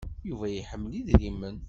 Yuba iḥemmel idrimen.